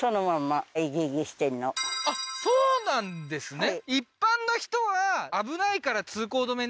ああーあっそうなんですね